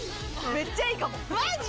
めっちゃいいかも！